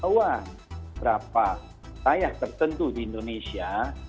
wah berapa tayah tertentu di indonesia